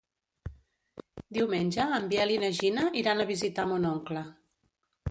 Diumenge en Biel i na Gina iran a visitar mon oncle.